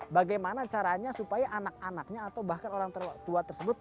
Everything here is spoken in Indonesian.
bagaimana caranya supaya anak anaknya atau bahkan orang tua tersebut